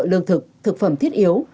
lương thực thực phẩm thiết yếu